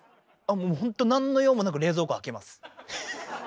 ほんとなんの用もなく冷蔵庫開けます。